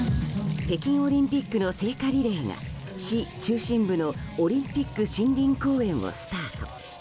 北京オリンピックの聖火リレーが、市中心部のオリンピック森林公園をスタート。